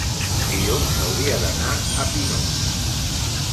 dilluns hauria d'anar a Pinós.